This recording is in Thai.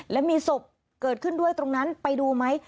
และมีศพเกิดขึ้นด้วยตรงนั้นไปดูไหม